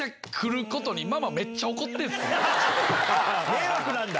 迷惑なんだ。